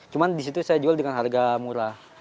cuma di situ saya jual dengan harga murah